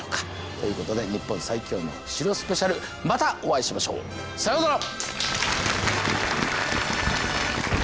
ということで「日本最強の城スペシャル」またお会いしましょう。さようなら。